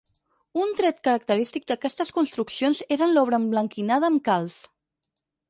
Un tret característic d'aquestes construccions eren l'obra emblanquinada amb calç.